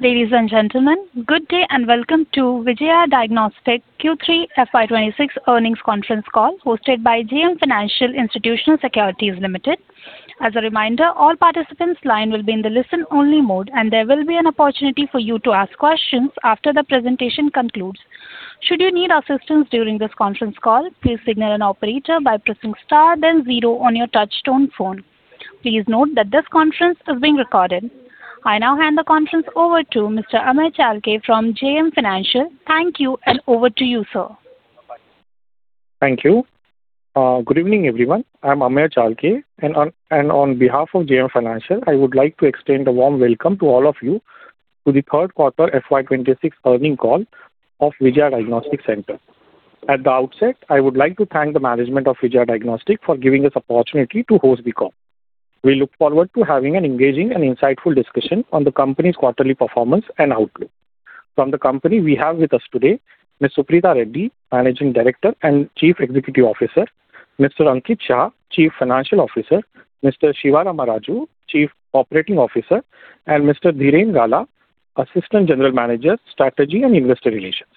Ladies and gentlemen, good day, and welcome to Vijaya Diagnostic Q3 FY 2026 Earnings Conference Call, hosted by JM Financial Institutional Securities Limited. As a reminder, all participants' line will be in the listen-only mode, and there will be an opportunity for you to ask questions after the presentation concludes. Should you need assistance during this conference call, please signal an operator by pressing star then zero on your touchtone phone. Please note that this conference is being recorded. I now hand the conference over to Mr. Amey Chalke from JM Financial. Thank you, and over to you, sir. Thank you. Good evening, everyone. I'm Amey Chalke, and on behalf of JM Financial, I would like to extend a warm welcome to all of you to the third quarter FY 2026 earnings call of Vijaya Diagnostic Centre. At the outset, I would like to thank the management of Vijaya Diagnostic Centre for giving us opportunity to host the call. We look forward to having an engaging and insightful discussion on the company's quarterly performance and outlook. From the company, we have with us today Ms. Suprita Reddy, Managing Director and Chief Executive Officer, Mr. Ankit Shah, Chief Financial Officer, Mr. Siva Rama Raju, Chief Operating Officer, and Mr. Dhirendra Gala, Assistant General Manager, Strategy and Investor Relations.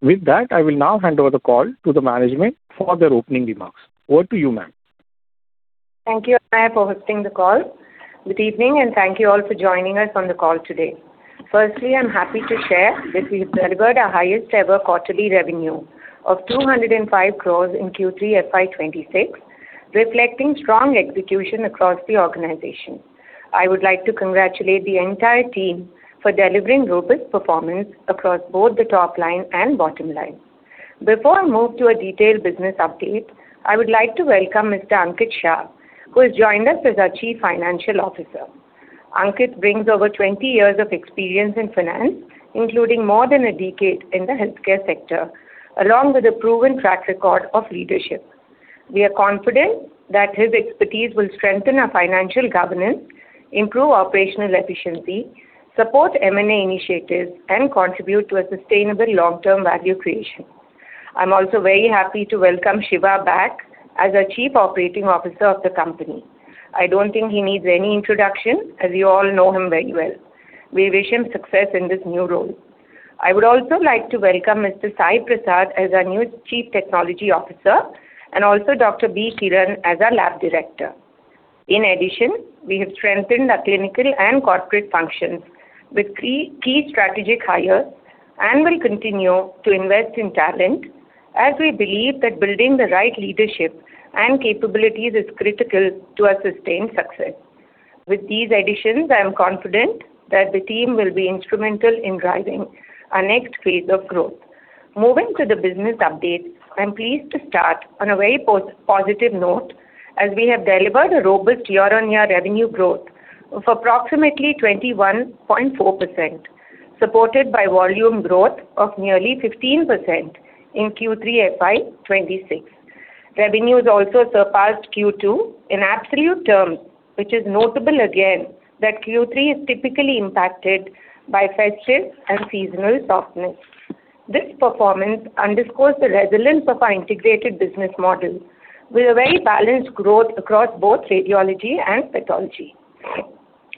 With that, I will now hand over the call to the management for their opening remarks. Over to you, ma'am. Thank you, Amey, for hosting the call. Good evening, and thank you all for joining us on the call today. Firstly, I'm happy to share that we've delivered our highest ever quarterly revenue of 205 crore in Q3 FY 2026, reflecting strong execution across the organization. I would like to congratulate the entire team for delivering robust performance across both the top line and bottom line. Before I move to a detailed business update, I would like to welcome Mr. Ankit Shah, who has joined us as our Chief Financial Officer. Ankit brings over 20 years of experience in finance, including more than a decade in the healthcare sector, along with a proven track record of leadership. We are confident that his expertise will strengthen our financial governance, improve operational efficiency, support M&A initiatives, and contribute to a sustainable long-term value creation. I'm also very happy to welcome Siva back as our Chief Operating Officer of the company. I don't think he needs any introduction, as you all know him very well. We wish him success in this new role. I would also like to welcome Mr. Sai Prasad as our new Chief Technology Officer and also Dr. B. Kiran as our Lab Director. In addition, we have strengthened our clinical and corporate functions with key strategic hires and will continue to invest in talent as we believe that building the right leadership and capabilities is critical to our sustained success. With these additions, I am confident that the team will be instrumental in driving our next phase of growth. Moving to the business update, I'm pleased to start on a very positive note, as we have delivered a robust year-on-year revenue growth of approximately 21.4%, supported by volume growth of nearly 15% in Q3 FY 2026. Revenues also surpassed Q2 in absolute terms, which is notable again that Q3 is typically impacted by festive and seasonal softness. This performance underscores the resilience of our integrated business model, with a very balanced growth across both radiology and pathology.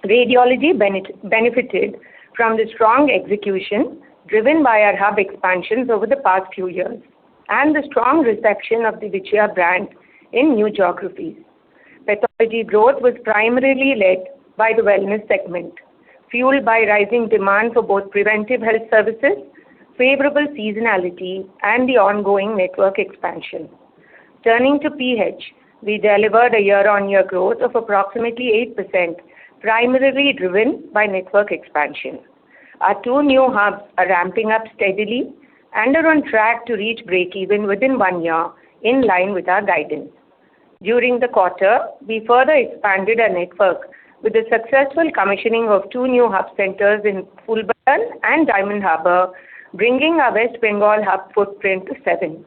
Radiology benefited from the strong execution, driven by our hub expansions over the past few years and the strong reception of the Vijaya brand in new geographies. Pathology growth was primarily led by the wellness segment, fueled by rising demand for both preventive health services, favorable seasonality, and the ongoing network expansion. Turning to PH, we delivered a year-on-year growth of approximately 8%, primarily driven by network expansion. Our two new hubs are ramping up steadily and are on track to reach break even within one year, in line with our guidance. During the quarter, we further expanded our network with the successful commissioning of two new hub centers in Phoolbagan and Diamond Harbour, bringing our West Bengal hub footprint to seven.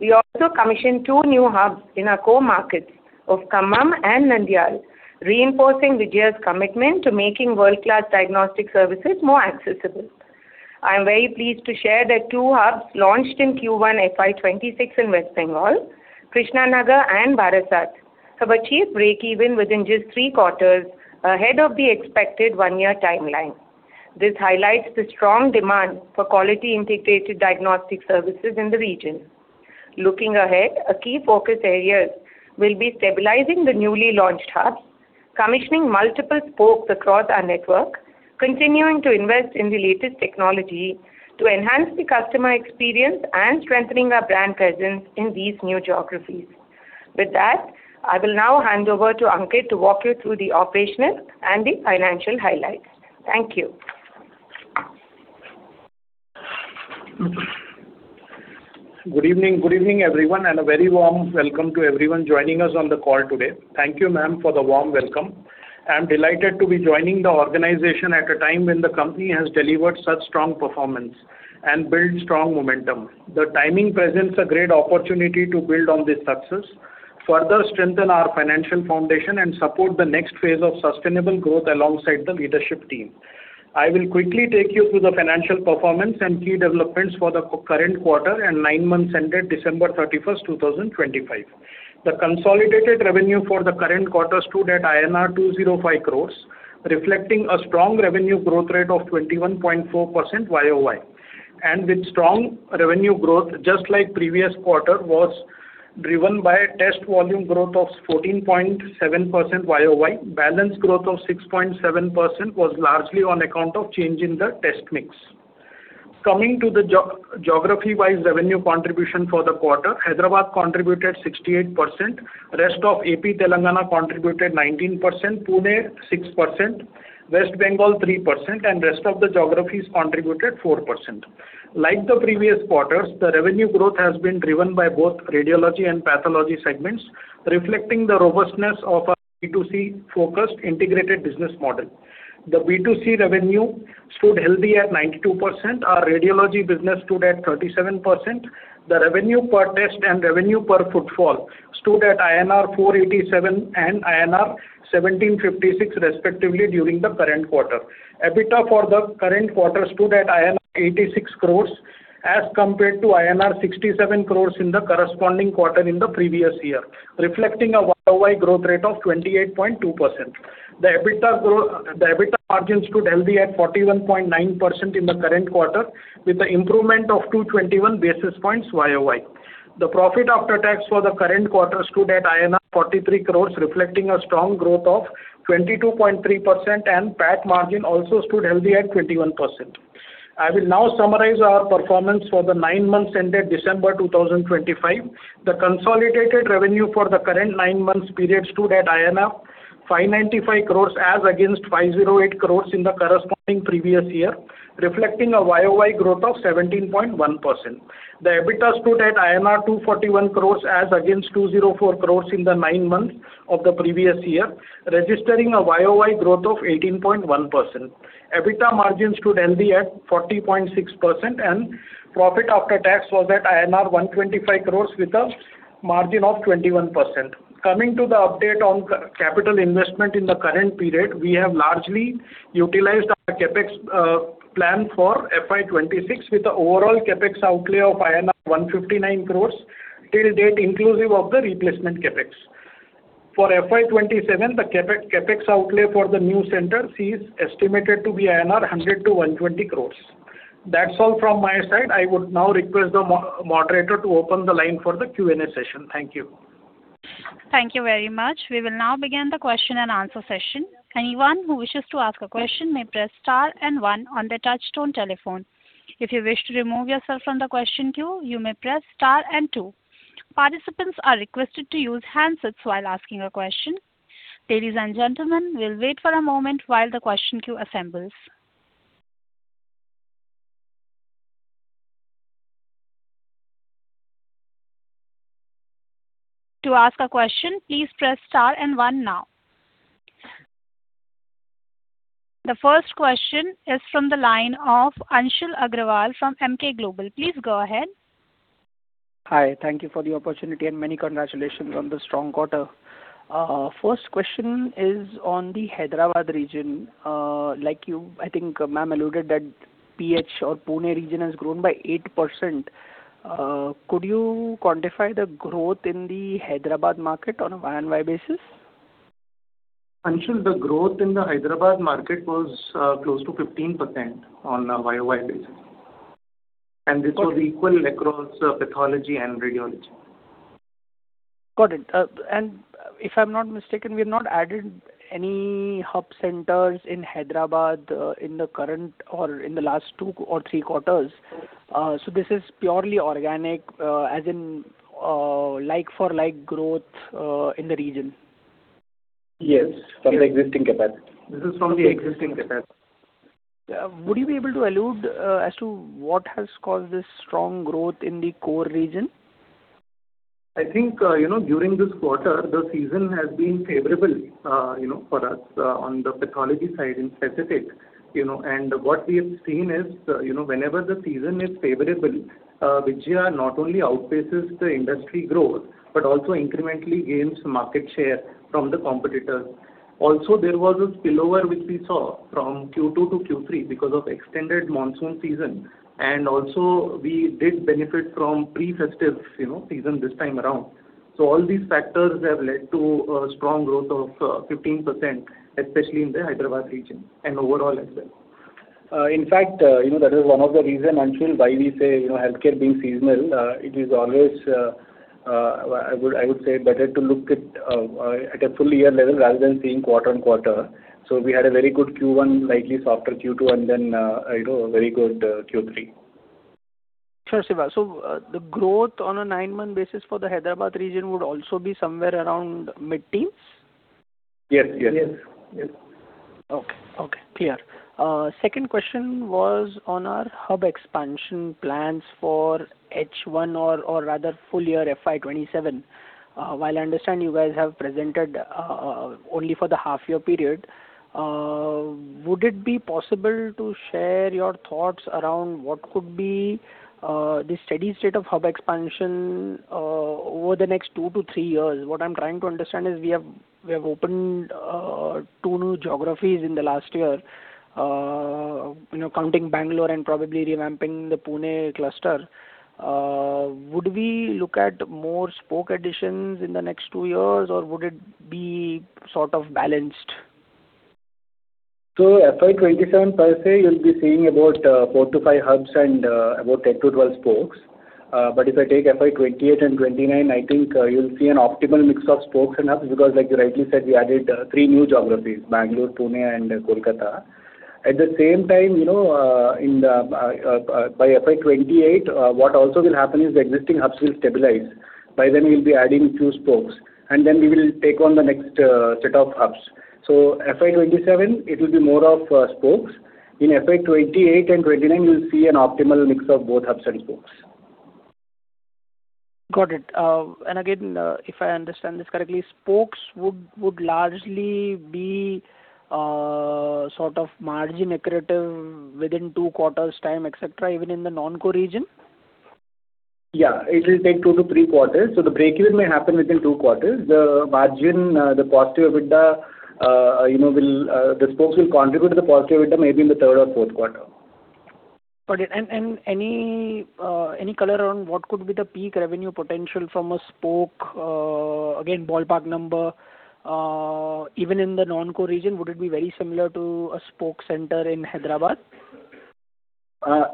We also commissioned two new hubs in our core markets of Khammam and Nandyal, reinforcing Vijaya's commitment to making world-class diagnostic services more accessible. I am very pleased to share that two hubs launched in Q1 FY 2026 in West Bengal, Krishnanagar and Barasat, have achieved break even within just three quarters, ahead of the expected one-year timeline. This highlights the strong demand for quality integrated diagnostic services in the region. Looking ahead, our key focus areas will be stabilizing the newly launched hubs, commissioning multiple spokes across our network, continuing to invest in the latest technology to enhance the customer experience, and strengthening our brand presence in these new geographies. With that, I will now hand over to Ankit to walk you through the operational and the financial highlights. Thank you. Good evening. Good evening, everyone, and a very warm welcome to everyone joining us on the call today. Thank you, ma'am, for the warm welcome. I'm delighted to be joining the organization at a time when the company has delivered such strong performance and built strong momentum. The timing presents a great opportunity to build on this success, further strengthen our financial foundation, and support the next phase of sustainable growth alongside the leadership team. I will quickly take you through the financial performance and key developments for the current quarter and nine months ended December 31, 2025. The consolidated revenue for the current quarter stood at INR 205 crores, reflecting a strong revenue growth rate of 21.4% Y-o-Y. With strong revenue growth, just like previous quarter, was driven by a test volume growth of 14.7% Y-o-Y, balance growth of 6.7% was largely on account of change in the test mix. Coming to the geography-wise revenue contribution for the quarter, Hyderabad contributed 68%, rest of AP, Telangana contributed 19%, Pune 6%, West Bengal 3%, and rest of the geographies contributed 4%. Like the previous quarters, the revenue growth has been driven by both radiology and pathology segments, reflecting the robustness of our B2C-focused integrated business model. The B2C revenue stood healthy at 92%, our radiology business stood at 37%. The revenue per test and revenue per footfall stood at INR 487 and INR 1,756, respectively, during the current quarter. EBITDA for the current quarter stood at INR 86 crores, as compared to INR 67 crores in the corresponding quarter in the previous year, reflecting a Y-o-Y growth rate of 28.2%. The EBITDA margin stood healthy at 41.9% in the current quarter, with an improvement of 221 basis points Y-o-Y. The profit after tax for the current quarter stood at INR 43 crores, reflecting a strong growth of 22.3%, and PAT margin also stood healthy at 21%. I will now summarize our performance for the nine months ended December 2025. The consolidated revenue for the current nine months period stood at 595 crores, as against 508 crores in the corresponding previous year, reflecting a Y-o-Y growth of 17.1%. The EBITDA stood at 241 crores, as against 204 crores in the nine months of the previous year, registering a Y-o-Y growth of 18.1%. EBITDA margin stood healthy at 40.6%, and profit after tax was at INR 125 crores with a margin of 21%. Coming to the update on capital investment in the current period, we have largely utilized our CapEx plan for FY 2026, with the overall CapEx outlay of INR 159 crores till date, inclusive of the replacement CapEx. For FY 2027, the CapEx outlay for the new centers is estimated to be 100 crores-120 crores INR. That's all from my side. I would now request the moderator to open the line for the Q&A session. Thank you. Thank you very much. We will now begin the question and answer session. Anyone who wishes to ask a question may press star and one on their touchtone telephone. If you wish to remove yourself from the question queue, you may press star and two. Participants are requested to use handsets while asking a question. Ladies and gentlemen, we'll wait for a moment while the question queue assembles. To ask a question, please press star and one now. The first question is from the line of Anshul Agrawal from Emkay Global. Please go ahead. Hi, thank you for the opportunity, and many congratulations on the strong quarter. First question is on the Hyderabad region. Like you, I think, ma'am alluded that PH or Pune region has grown by 8%. Could you quantify the growth in the Hyderabad market on a Y-o-Y basis? Anshul, the growth in the Hyderabad market was close to 15% on a Y-o-Y basis. This was equal across pathology and radiology. Got it. If I'm not mistaken, we have not added any hub centers in Hyderabad in the current or in the last two or three quarters. This is purely organic, as in, like for like growth, in the region? Yes, from the existing capacity. This is from the existing capacity. Would you be able to allude as to what has caused this strong growth in the core region? I think, you know, during this quarter, the season has been favorable, you know, for us, on the pathology side in specific, you know, and what we have seen is, you know, whenever the season is favorable, Vijaya not only outpaces the industry growth, but also incrementally gains market share from the competitors. Also, there was a spillover which we saw from Q2 to Q3 because of extended monsoon season, and also we did benefit from pre-festive, you know, season this time around. So all these factors have led to a strong growth of, 15%, especially in the Hyderabad region and overall as well. In fact, you know, that is one of the reason, Anshul, why we say, you know, healthcare being seasonal, it is always, I would, I would say better to look at, at a full year level rather than seeing quarter-on-quarter. So we had a very good Q1, slightly softer Q2, and then, you know, a very good, Q3. Sure, Siva. So, the growth on a nine-month basis for the Hyderabad region would also be somewhere around mid-teens? Yes. Yes. Yes. Okay. Okay, clear. Second question was on our hub expansion plans for H1 or, rather full year FY 2027. While I understand you guys have presented only for the half year period, would it be possible to share your thoughts around what could be the steady state of hub expansion over the next two-three years? What I'm trying to understand is we have opened two new geographies in the last year... you know, counting Bangalore and probably revamping the Pune cluster, would we look at more spoke additions in the next two years, or would it be sort of balanced? So FY 2027 per se, you'll be seeing about four-five hubs and about 10-12 spokes. But if I take FY 2028 and 2029, I think you'll see an optimal mix of spokes and hubs, because like you rightly said, we added three new geographies, Bangalore, Pune and Kolkata. At the same time, you know, by FY 2028, what also will happen is the existing hubs will stabilize. By then we'll be adding two spokes, and then we will take on the next set of hubs. So FY 2027, it will be more of spokes. In FY 2028 and 2029, you'll see an optimal mix of both hubs and spokes. Got it. And again, if I understand this correctly, spokes would largely be sort of margin accretive within two quarters time, et cetera, even in the non-core region? Yeah, it will take two-three quarters. So the break-even may happen within two quarters. The margin, the positive EBITDA, you know, will, the spokes will contribute to the positive EBITDA maybe in the third or fourth quarter. Got it. And any color on what could be the peak revenue potential from a spoke, again, ballpark number, even in the non-core region, would it be very similar to a spoke center in Hyderabad?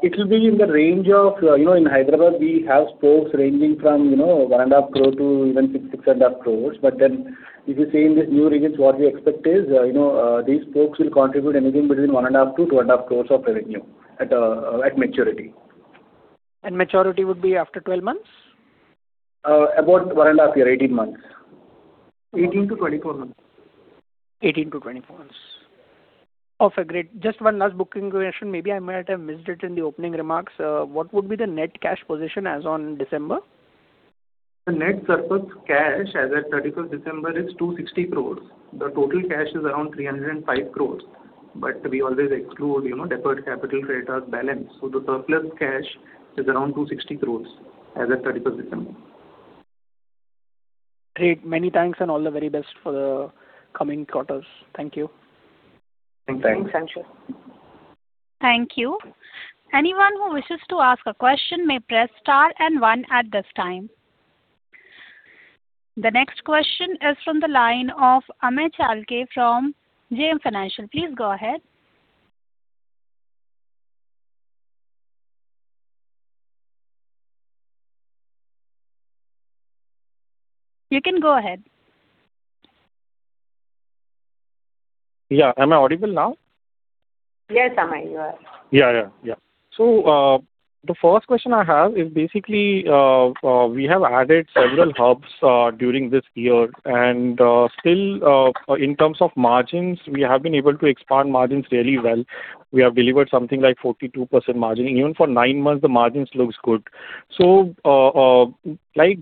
It will be in the range of. You know, in Hyderabad, we have spokes ranging from, you know, 1.5 crore to even 6 crores-6.5 crores. But then, if you see in the new regions, what we expect is, you know, these spokes will contribute anything between 1.5 crores-2.5 crores of revenue at maturity. Maturity would be after 12 months? About 1.5 years, 18 months. 18-24 months. 18-24 months. Okay, great. Just one last booking question. Maybe I might have missed it in the opening remarks. What would be the net cash position as on December? The net surplus cash as at 31 December is 260 crores. The total cash is around 305 crores, but we always exclude, you know, deferred capital credits balance. So the surplus cash is around 260 crores as at 31 December. Great! Many thanks and all the very best for the coming quarters. Thank you. Thanks. Thanks, Anshu. Thank you. Anyone who wishes to ask a question may press star and one at this time. The next question is from the line of Amey Chalke from JM Financial. Please go ahead. You can go ahead. Yeah. Am I audible now? Yes, Amey, you are. Yeah, yeah. Yeah. So, the first question I have is basically, we have added several hubs during this year, and still, in terms of margins, we have been able to expand margins really well. We have delivered something like 42% margin. Even for nine months, the margins looks good. So, like,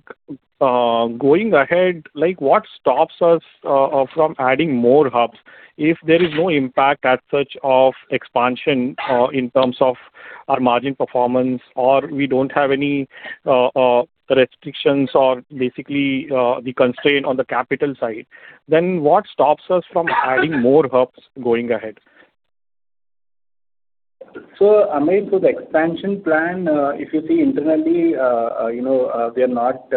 going ahead, like, what stops us from adding more hubs if there is no impact as such of expansion in terms of our margin performance, or we don't have any restrictions or basically the constraint on the capital side, then what stops us from adding more hubs going ahead? So Amey, so the expansion plan, if you see internally, you know, we are not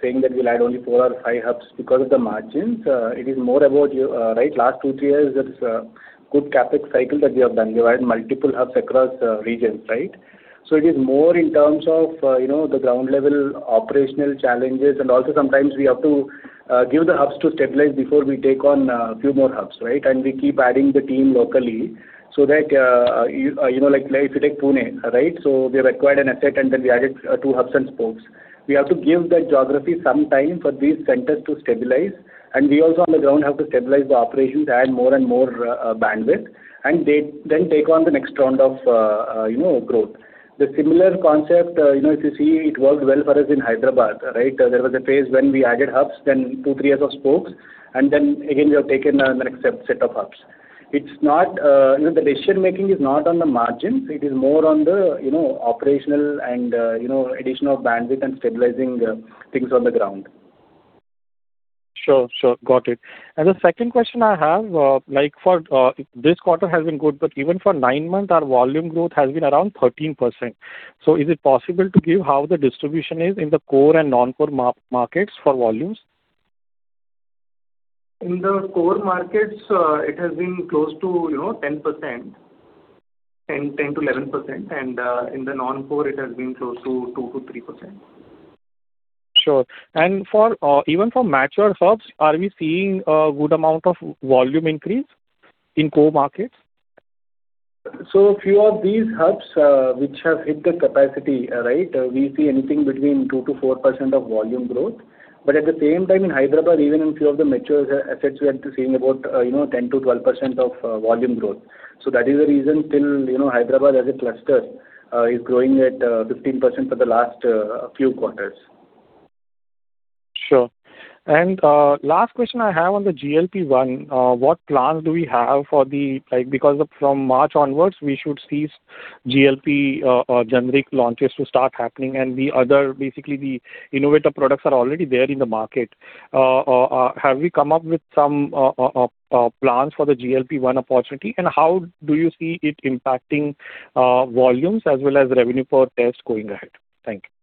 saying that we'll add only four or five hubs because of the margins. It is more about, right, last two, three years, there is a good CapEx cycle that we have done. We've added multiple hubs across, regions, right? So it is more in terms of, you know, the ground level operational challenges, and also sometimes we have to give the hubs to stabilize before we take on, a few more hubs, right? And we keep adding the team locally so that, you, you know, like if you take Pune, right, so we acquired an asset and then we added two hubs and spokes. We have to give that geography some time for these centers to stabilize, and we also on the ground have to stabilize the operations to add more and more, bandwidth, and they then take on the next round of, you know, growth. The similar concept, you know, if you see, it worked well for us in Hyderabad, right? There was a phase when we added hubs, then two, three years of spokes, and then again, we have taken the next set, set of hubs. It's not, you know, the decision-making is not on the margins. It is more on the, you know, operational and, you know, addition of bandwidth and stabilizing, things on the ground. Sure, sure. Got it. And the second question I have, like for, this quarter has been good, but even for nine months, our volume growth has been around 13%. So is it possible to give how the distribution is in the core and non-core markets for volumes? In the core markets, it has been close to, you know, 10%, 10%-11%, and, in the non-core, it has been close to 2%-3%. Sure. And for even for mature hubs, are we seeing a good amount of volume increase in core markets? So a few of these hubs, which have hit the capacity, right, we see anything between 2%-4% of volume growth. But at the same time, in Hyderabad, even in few of the mature assets, we are seeing about, you know, 10%-12% of volume growth. So that is the reason till, you know, Hyderabad as a cluster, is growing at 15% for the last few quarters. Sure. And last question I have on the GLP-1, what plans do we have for the-- Like, because of from March onwards, we should see GLP-1, generic launches to start happening, and the other, basically, the innovative products are already there in the market. Have we come up with some plans for the GLP-1 opportunity, and how do you see it impacting volumes as well as revenue for tests going ahead? Thank you.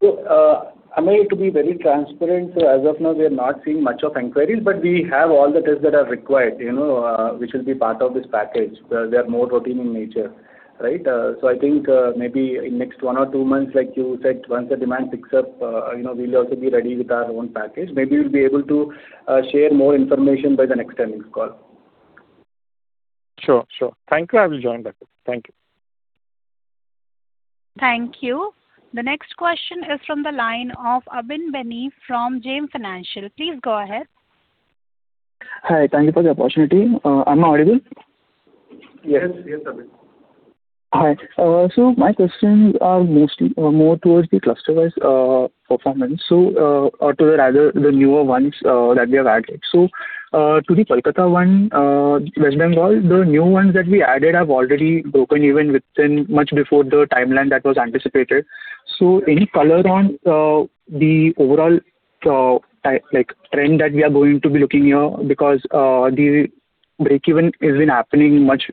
So, I mean, to be very transparent, so as of now, we are not seeing much of inquiries, but we have all the tests that are required, you know, which will be part of this package. They are more routine in nature, right? So I think, maybe in next one or two months, like you said, once the demand picks up, you know, we'll also be ready with our own package. Maybe we'll be able to share more information by the next earnings call. Sure. Sure. Thank you. I will join back. Thank you. Thank you. The next question is from the line of Abin Benny from JM Financial. Please go ahead. Hi, thank you for the opportunity. Am I audible? Yes, Abin. Hi. So my questions are mostly more towards the cluster-wise performance, so or rather the newer ones that we have added. So, to the Kolkata one, West Bengal, the new ones that we added have already broken even within much before the timeline that was anticipated. So any color on the overall, like, trend that we are going to be looking here, because the breakeven has been happening much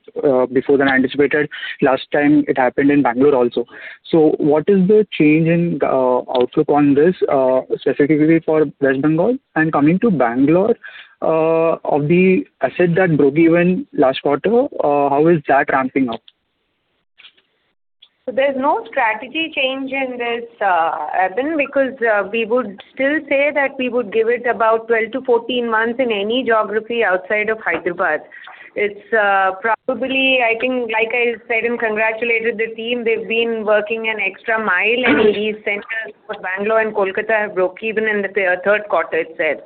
before than anticipated. Last time it happened in Bangalore also. So what is the change in outlook on this, specifically for West Bengal? And coming to Bangalore, of the asset that broke even last quarter, how is that ramping up? There's no strategy change in this, Abin, because we would still say that we would give it about 12-14 months in any geography outside of Hyderabad. It's probably, I think, like I said, and congratulated the team, they've been working an extra mile, and these centers for Bangalore and Kolkata have broke even in the third quarter itself.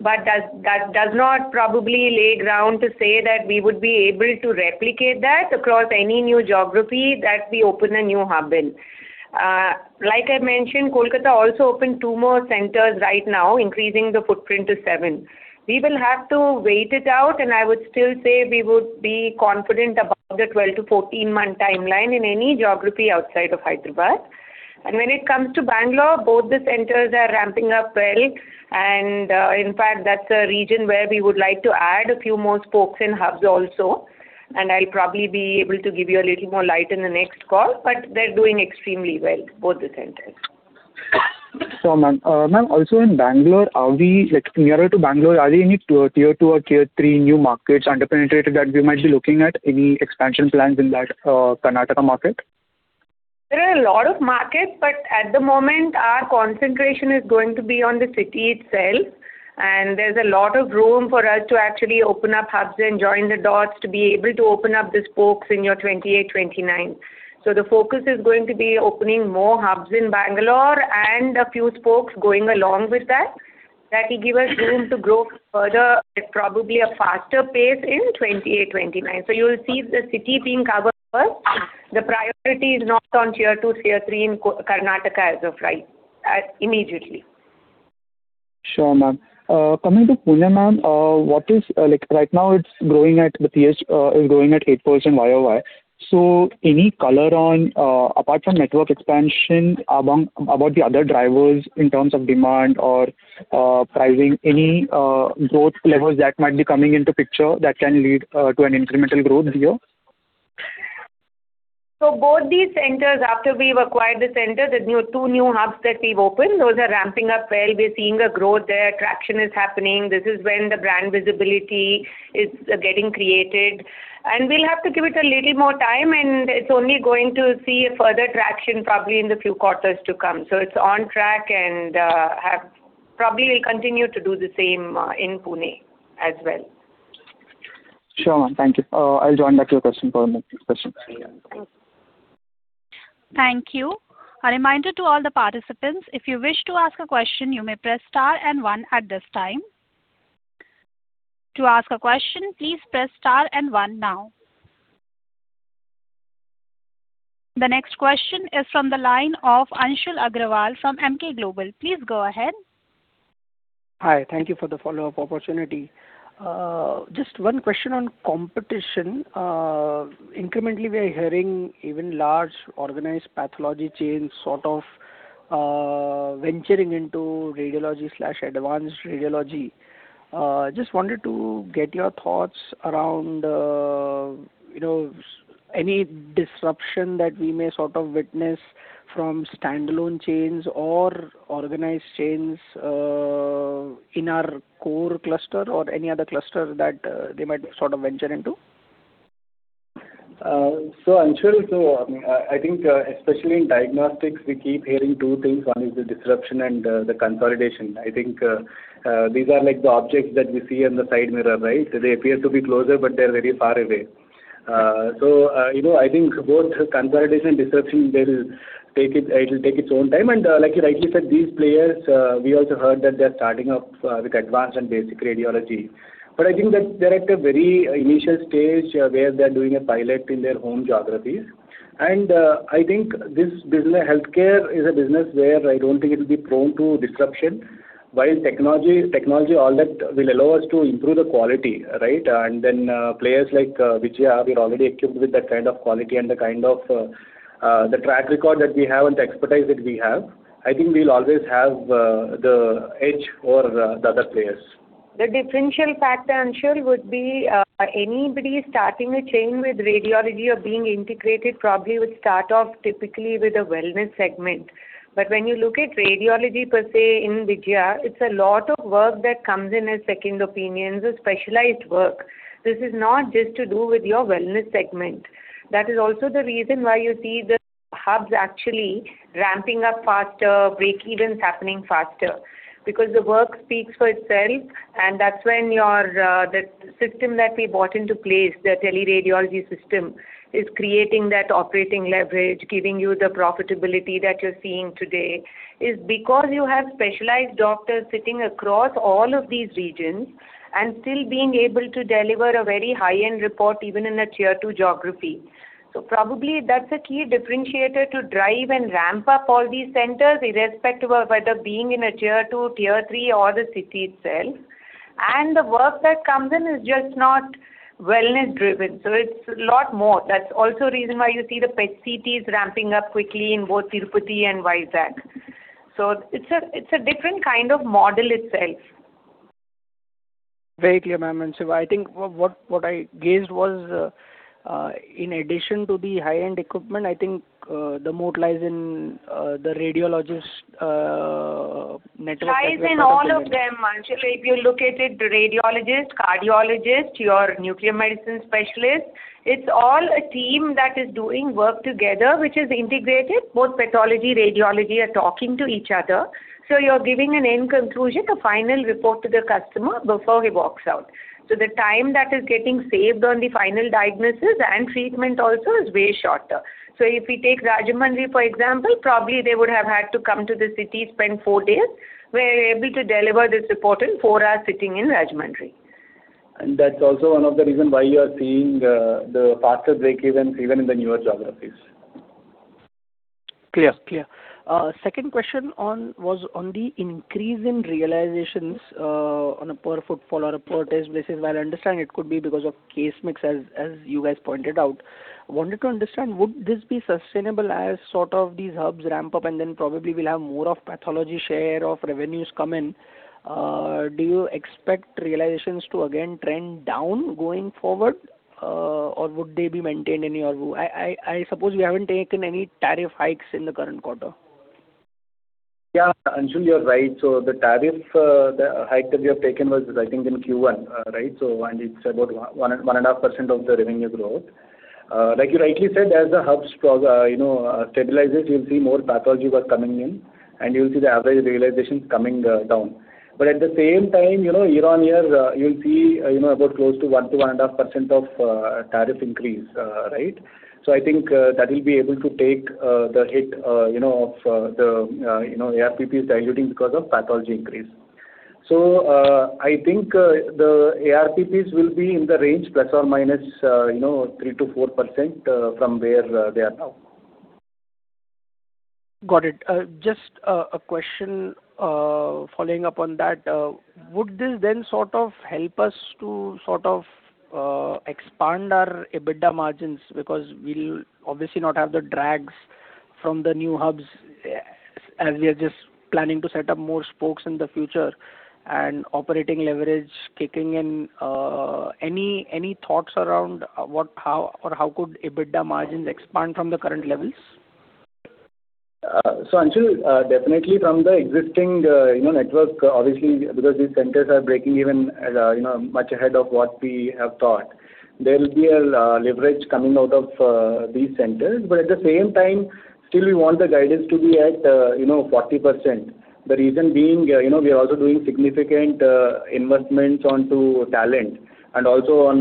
But that, that does not probably lay ground to say that we would be able to replicate that across any new geography that we open a new hub in. Like I mentioned, Kolkata also opened two more centers right now, increasing the footprint to seven. We will have to wait it out, and I would still say we would be confident about the 12-14-month timeline in any geography outside of Hyderabad. When it comes to Bangalore, both the centers are ramping up well, and, in fact, that's a region where we would like to add a few more spokes and hubs also, and I'll probably be able to give you a little more light in the next call, but they're doing extremely well, both the centers. Sure, ma'am. Ma'am, also in Bangalore, are we--like nearer to Bangalore, are there any tier two or tier three new markets underpenetrated that we might be looking at any expansion plans in that, Karnataka market? There are a lot of markets, but at the moment our concentration is going to be on the city itself, and there's a lot of room for us to actually open up hubs and join the dots to be able to open up the spokes in 2028, 2029. So the focus is going to be opening more hubs in Bangalore and a few spokes going along with that. That will give us room to grow further at probably a faster pace in 2028, 2029. So you will see the city being covered first. The priority is not on tier two, tier three in Karnataka as of right, immediately. Sure, ma'am. Coming to Pune, ma'am, what is--Like, right now, it's growing at the pace, it's growing at 8% Y-o-Y. So any color on, apart from network expansion, about the other drivers in terms of demand or, pricing, any, growth levers that might be coming into picture that can lead, to an incremental growth here? So both these centers, after we've acquired the center, the two new hubs that we've opened, those are ramping up well. We're seeing a growth there. Traction is happening. This is when the brand visibility is getting created, and we'll have to give it a little more time, and it's only going to see a further traction, probably, in the few quarters to come. So it's on track, and probably will continue to do the same, in Pune as well. Sure, ma'am. Thank you. I'll join back to your question for the next question. Thank you. A reminder to all the participants, if you wish to ask a question, you may press star and one at this time. To ask a question, please press star and one now. The next question is from the line of Anshul Agrawal from Emkay Global. Please go ahead. Hi, thank you for the follow-up opportunity. Just one question on competition. Incrementally, we are hearing even large organized pathology chains sort of venturing into radiology slash advanced radiology. Just wanted to get your thoughts around, you know, any disruption that we may sort of witness from standalone chains or organized chains in our core cluster or any other cluster that they might sort of venture into. So Anshul, so, I think, especially in diagnostics, we keep hearing two things. One is the disruption and the consolidation. I think these are like the objects that we see in the side mirror, right? They appear to be closer, but they're very far away. So, you know, I think both consolidation and disruption, they will take it—it'll take its own time. And, like you rightly said, these players, we also heard that they're starting off with advanced and basic radiology. But I think that they're at a very initial stage, where they're doing a pilot in their home geographies. And, I think this business—healthcare is a business where I don't think it will be prone to disruption. While technology all that will allow us to improve the quality, right? And then, players like Vijaya, we're already equipped with that kind of quality and the kind of the track record that we have and the expertise that we have. I think we'll always have the edge over the other players. The differential factor, Anshul, would be, anybody starting a chain with radiology or being integrated probably would start off typically with a wellness segment. But when you look at radiology per se in Vijaya, it's a lot of work that comes in as second opinions, as specialized work. This is not just to do with your wellness segment. That is also the reason why you see the hubs actually ramping up faster, breakevens happening faster. Because the work speaks for itself, and that's when your, the system that we brought into place, the teleradiology system, is creating that operating leverage, giving you the profitability that you're seeing today, is because you have specialized doctors sitting across all of these regions and still being able to deliver a very high-end report, even in a Tier 2 geography. So probably that's a key differentiator to drive and ramp up all these centers, irrespective of whether being in a Tier 2, Tier 3, or the city itself. The work that comes in is just not wellness-driven, so it's a lot more. That's also the reason why you see the PET-CTs ramping up quickly in both Tirupati and Vizag. So it's a different kind of model itself. Very clear, ma'am, and so I think what I guessed was, in addition to the high-end equipment, I think, the moat lies in, the radiologist network-- Lies in all of them, Anshul. If you look at it, the radiologist, cardiologist, your nuclear medicine specialist, it's all a team that is doing work together, which is integrated. Both pathology, radiology are talking to each other, so you're giving an end conclusion, a final report to the customer before he walks out. So the time that is getting saved on the final diagnosis and treatment also is way shorter. So if we take Rajahmundry, for example, probably they would have had to come to the city, spend four days. We're able to deliver this report in four hours, sitting in Rajahmundry. And that's also one of the reason why you are seeing the faster breakevens even in the newer geographies. Second question on the increase in realizations on a per footfall or a per test basis, where I understand it could be because of case mix, as you guys pointed out. I wanted to understand, would this be sustainable as sort of these hubs ramp up, and then probably we'll have more of pathology share of revenues come in? Do you expect realizations to again trend down going forward, or would they be maintained any, or I suppose you haven't taken any tariff hikes in the current quarter. Yeah, Anshul, you're right. So the tariff, the hike that we have taken was, I think, in Q1, right? So and it's about 1%-1.5% of the revenue growth. Like you rightly said, as the hubs stabilizes, you'll see more pathology work coming in, and you'll see the average realization coming, down. But at the same time, you know, year-on-year, you'll see, you know, about close to 1%-1.5% of, tariff increase, right? So I think, that will be able to take, the hit, you know, of, the, you know, ARPP is diluting because of pathology increase. I think the ARPPs will be in the range ±3%-4%, you know, from where they are now. Got it. Just a question following up on that. Would this then sort of help us to sort of expand our EBITDA margins? Because we'll obviously not have the drags from the new hubs as we are just planning to set up more spokes in the future and operating leverage kicking in. Any, any thoughts around what—how or how could EBITDA margins expand from the current levels? So Anshul, definitely from the existing, you know, network, obviously, because these centers are breaking even, as, you know, much ahead of what we have thought. There will be a, leverage coming out of, these centers. But at the same time, still we want the guidance to be at, you know, 40%. The reason being, you know, we are also doing significant, investments onto talent and also on,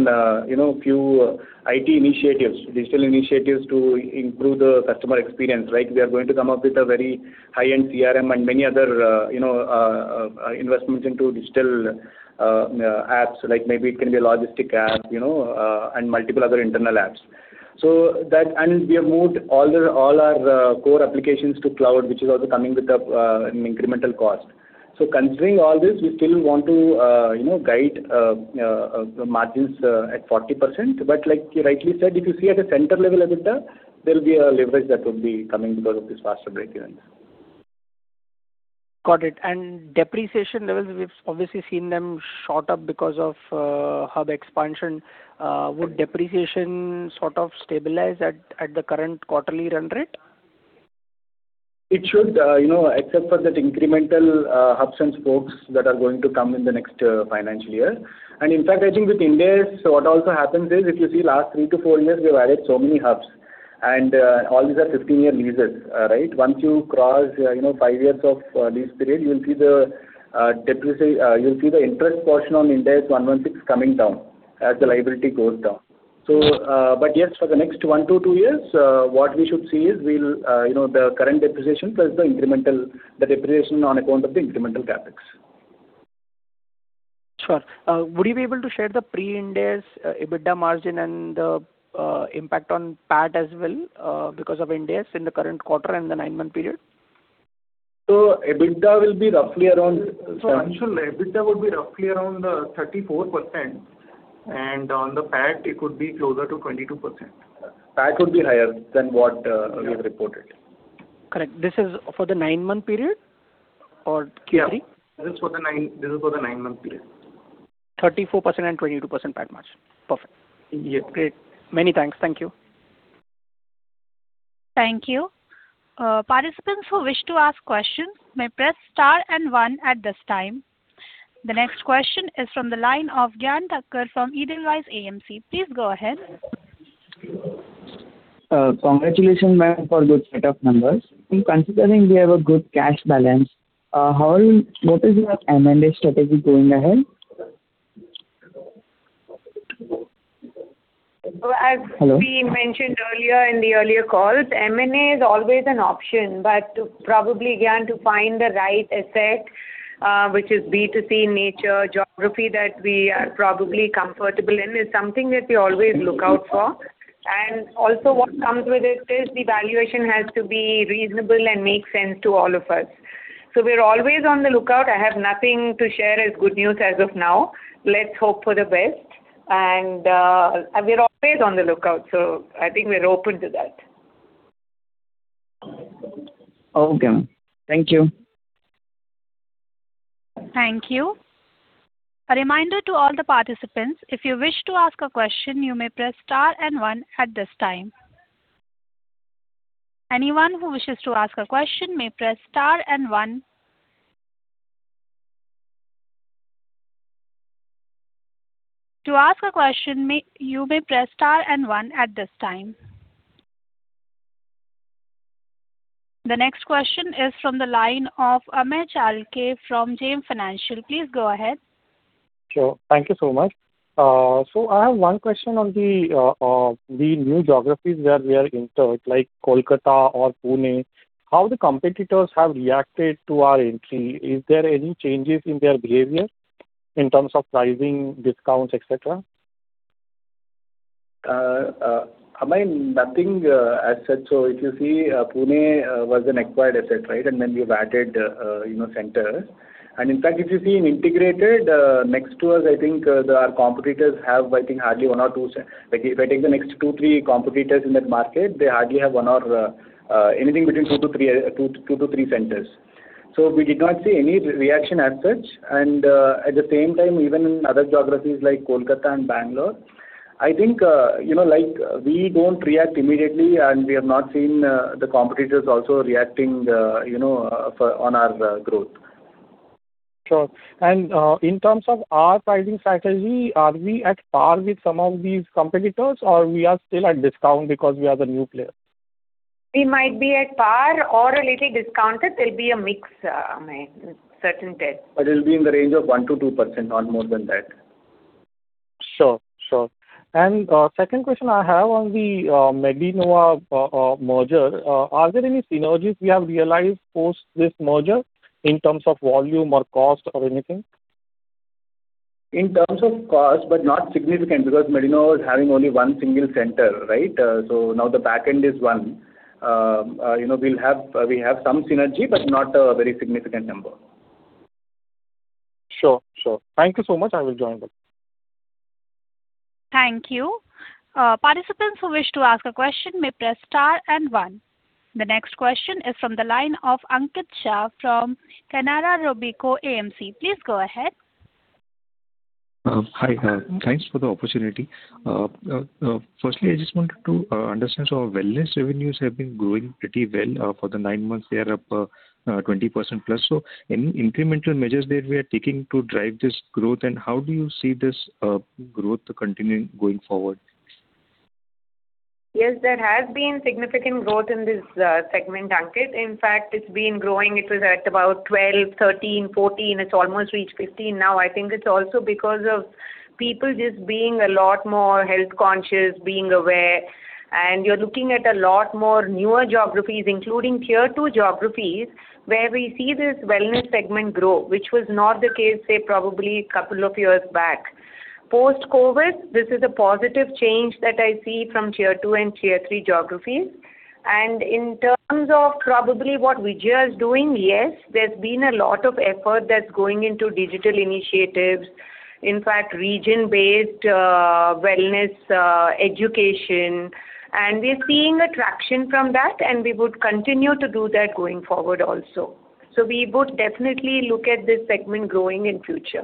you know, few IT initiatives, digital initiatives to improve the customer experience, right? We are going to come up with a very high-end CRM and many other, you know, investments into digital, apps, like maybe it can be a logistic app, you know, and multiple other internal apps. And we have moved all the, all our, core applications to cloud, which is also coming with a, an incremental cost. So considering all this, we still want to, you know, guide the margins at 40%. But like you rightly said, if you see at a center level EBITDA, there will be a leverage that would be coming because of these faster breakevens. Got it. Depreciation levels, we've obviously seen them shot up because of hub expansion. Would depreciation sort of stabilize at the current quarterly run rate? It should, you know, except for that incremental hubs and spokes that are going to come in the next financial year. And in fact, I think with Ind AS, so what also happens is, if you see last three-four years, we've added so many hubs, and all these are 15-year leases, right? Once you cross, you know, 5 years of lease period, you'll see the interest portion on Ind AS 116 coming down as the liability goes down. So, but yes, for the next one-two years, what we should see is we'll, you know, the current depreciation plus the incremental, the depreciation on account of the incremental CapEx. Sure. Would you be able to share the pre-Ind AS EBITDA margin and the impact on PAT as well, because of Ind AS in the current quarter and the nine-month period? So EBITDA will be roughly around-- Anshul, EBITDA would be roughly around 34%, and on the PAT it could be closer to 22%. PAT would be higher than what we have reported. Correct. This is for the nine-month period or Q3? Yeah, this is for the nine, this is for the nine-month period. 34% and 22% PAT margin. Perfect. Yeah. Great. Many thanks. Thank you. Thank you. Participants who wish to ask questions may press star and one at this time. The next question is from the line of Gnyan Thaker from Edelweiss AMC. Please go ahead. Congratulations, ma'am, for good set of numbers. In considering we have a good cash balance, how, what is your M&A strategy going ahead? So as-- Hello? We mentioned earlier in the earlier calls, M&A is always an option, but to probably, Gnyan, to find the right asset, which is B2C in nature, geography that we are probably comfortable in, is something that we always look out for. And also what comes with it is the valuation has to be reasonable and make sense to all of us. So we are always on the lookout. I have nothing to share as good news as of now. Let's hope for the best. And, we're always on the lookout, so I think we're open to that. Okay. Thank you. Thank you. A reminder to all the participants, if you wish to ask a question, you may press star and one at this time. Anyone who wishes to ask a question may press star and one. To ask a question, you may press star and one at this time. The next question is from the line of Amey Chalke from JM Financial. Please go ahead. Sure. Thank you so much. So I have one question on the new geographies where we are entered, like Kolkata or Pune. How the competitors have reacted to our entry? Is there any changes in their behavior in terms of pricing, discounts, et cetera? Amey, nothing as such. So if you see, Pune was an acquired asset, right? And then we've added, you know, centers. And in fact, if you've seen integrated next to us, I think our competitors have, I think, hardly one or two, if I take the next two-three competitors in that market, they hardly have one or anything between two-three centers. So we did not see any reaction as such. And at the same time, even in other geographies like Kolkata and Bangalore, I think you know, like, we don't react immediately, and we have not seen the competitors also reacting, you know, for on our growth. Sure. And, in terms of our pricing strategy, are we at par with some of these competitors, or we are still at discount because we are the new player? We might be at par or a little discounted. There'll be a mix, Amey, in certain cases. But it'll be in the range of 1%-2%, not more than that. Sure. Sure. And, second question I have on the Medinova merger. Are there any synergies we have realized post this merger in terms of volume or cost or anything? In terms of cost, but not significant, because Medinova is having only one single center, right? So now the back end is one. You know, we'll have, we have some synergy, but not a very significant number. Sure. Sure. Thank you so much. I will join back. Thank you. Participants who wish to ask a question may press star and one. The next question is from the line of Ankit Shah from Canara Robeco AMC. Please go ahead. Hi, thanks for the opportunity. Firstly, I just wanted to understand. So our wellness revenues have been growing pretty well. For the nine months, they are up 20% plus. So any incremental measures that we are taking to drive this growth, and how do you see this growth continuing going forward? Yes, there has been significant growth in this segment, Ankit. In fact, it's been growing. It was at about 12%, 13%, 14%. It's almost reached 15% now. I think it's also because of people just being a lot more health conscious, being aware, and you're looking at a lot more newer geographies, including Tier 2 geographies, where we see this wellness segment grow, which was not the case, say, probably a couple of years back. Post-COVID, this is a positive change that I see from Tier 2 and Tier 3 geographies. And in terms of probably what Vijaya is doing, yes, there's been a lot of effort that's going into digital initiatives. In fact, region-based wellness education, and we're seeing a traction from that, and we would continue to do that going forward also. So we would definitely look at this segment growing in future.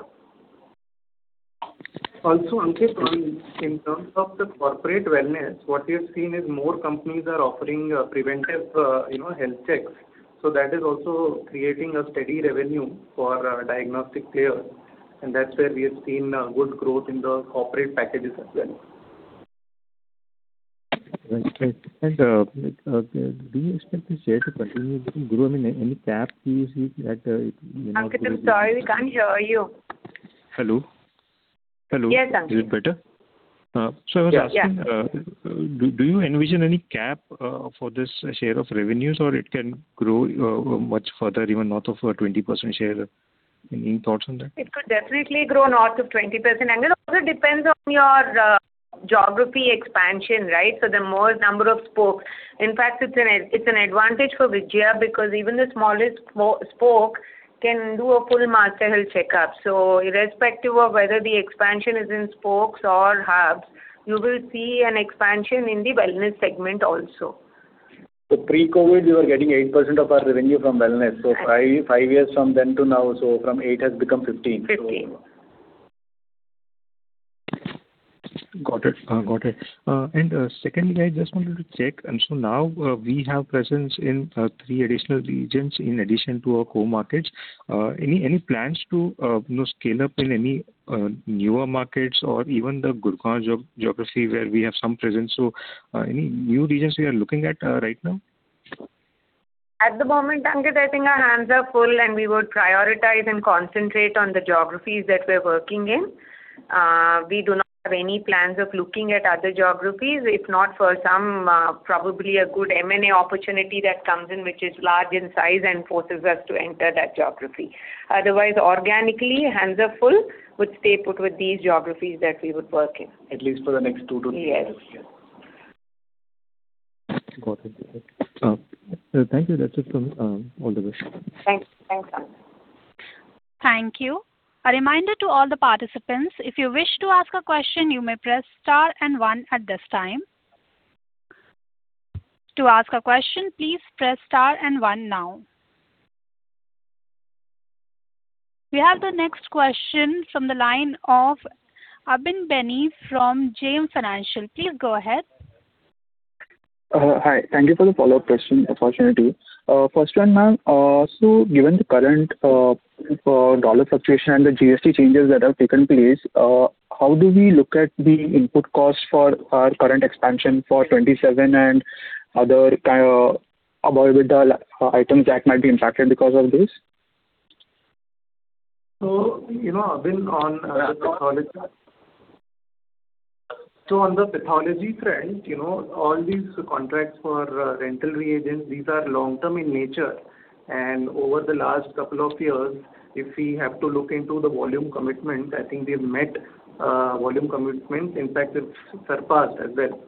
Also, Ankit, in terms of the corporate wellness, what we have seen is more companies are offering preventive, you know, health checks. So that is also creating a steady revenue for our diagnostic players, and that's where we have seen good growth in the corporate packages as well. Do you expect this year to continue to grow? I mean, any gap do you see that, you know- Ankit, I'm sorry, we can't hear you. Hello? Hello. Is it better? So I was asking, do you envision any cap for this share of revenues, or it can grow much further, even north of 20% share? Any thoughts on that? It could definitely grow north of 20%, and it also depends on your geography expansion, right? So the more number of spokes. In fact, it's an advantage for Vijaya, because even the smallest spoke can do a full multi-health checkup. So irrespective of whether the expansion is in spokes or hubs, you will see an expansion in the wellness segment also. So pre-COVID, we were getting 8% of our revenue from wellness, so five years from then to now, so from 8% has become 15%. 15%. Got it. Got it. And secondly, I just wanted to check, and so now we have presence in three additional regions in addition to our core markets. Any plans to, you know, scale up in any newer markets or even the Gurgaon geography where we have some presence? So, any new regions we are looking at right now? At the moment, Ankit, I think our hands are full, and we would prioritize and concentrate on the geographies that we're working in. We do not have any plans of looking at other geographies, if not for some, probably a good M&A opportunity that comes in, which is large in size and forces us to enter that geography. Otherwise, organically, hands are full. Would stay put with these geographies that we would work in. At least for the next two-three years. Yes. Got it. Thank you. That's it from me. All the best. Thanks. Thanks, Ankit. Thank you. A reminder to all the participants, if you wish to ask a question, you may press star and one at this time. To ask a question, please press star and one now. We have the next question from the line of Abin Benny from JM Financial. Please go ahead. Hi. Thank you for the follow-up question opportunity. First one, ma'am, so given the current dollar fluctuation and the GST changes that have taken place, how do we look at the input costs for our current expansion for 2027 and other avoided items that might be impacted because of this? So, you know, Abin, on the pathology-- so on the pathology front, you know, all these contracts for, rental reagents, these are long-term in nature, and over the last couple of years, if we have to look into the volume commitment, I think we've met, volume commitment. In fact, it's surpassed as well.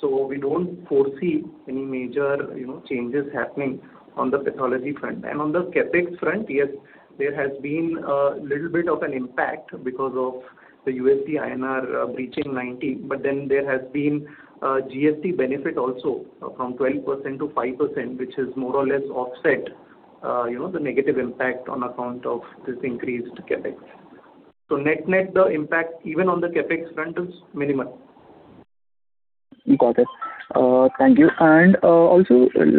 So we don't foresee any major, you know, changes happening on the pathology front. And on the CapEx front, yes, there has been a little bit of an impact because of the USD-INR, breaching 90 INR, but then there has been a GST benefit also from 12% to 5%, which has more or less offset, you know, the negative impact on account of this increased CapEx. So net-net, the impact, even on the CapEx front, is minimal. Got it. Thank you. And, also, in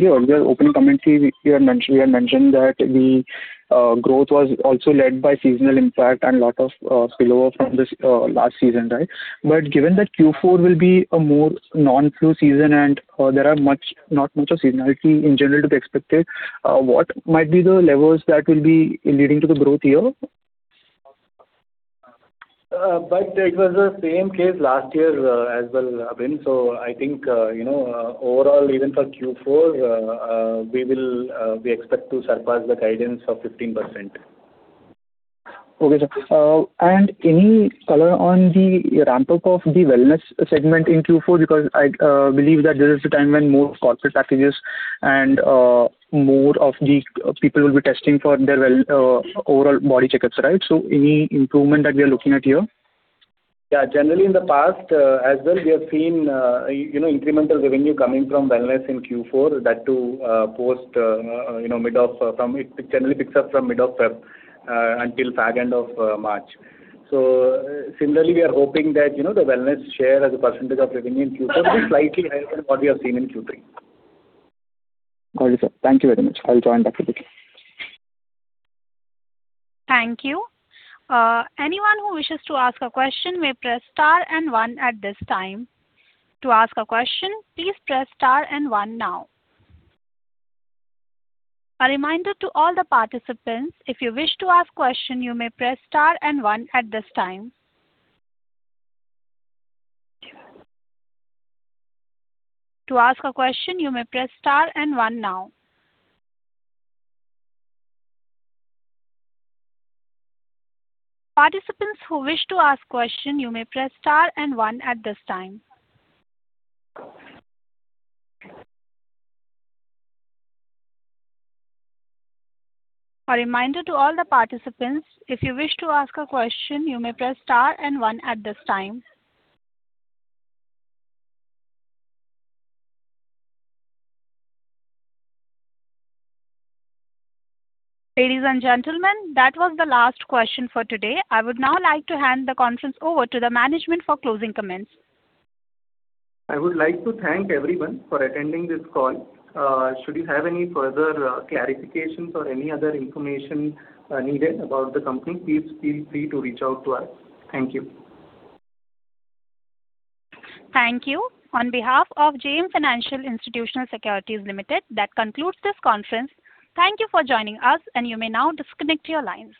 your opening comments, we, you had mentioned, you had mentioned that the, growth was also led by seasonal impact and lot of, spillover from this, last season, right? But given that Q4 will be a more non-flu season, and, there are much, not much of seasonality in general to be expected, what might be the levels that will be leading to the growth here? But it was the same case last year as well, Abin. So I think, you know, overall, even for Q4, we expect to surpass the guidance of 15%. Okay, sir. And any color on the ramp-up of the wellness segment in Q4? Because I believe that this is the time when more corporate packages and more of the people will be testing for their well, overall body checkups, right? So any improvement that we are looking at here? Yeah, generally in the past, as well, we have seen, you know, incremental revenue coming from wellness in Q4, that too, post, you know, mid-February. It generally picks up from mid-February until back end of March. So similarly, we are hoping that, you know, the wellness share as a percentage of revenue in Q4 will be slightly higher than what we have seen in Q3. Got it, sir. Thank you very much. I'll join back to the queue. Thank you. Anyone who wishes to ask a question may press star and one at this time. To ask a question, please press star and one now. A reminder to all the participants, if you wish to ask question, you may press star and one at this time. To ask a question, you may press star and one now. Participants who wish to ask question, you may press star and one at this time. A reminder to all the participants, if you wish to ask a question, you may press star and one at this time. Ladies and gentlemen, that was the last question for today. I would now like to hand the conference over to the management for closing comments. I would like to thank everyone for attending this call. Should you have any further clarifications or any other information needed about the company, please feel free to reach out to us. Thank you. Thank you. On behalf of JM Financial Institutional Securities Limited, that concludes this conference. Thank you for joining us, and you may now disconnect your lines.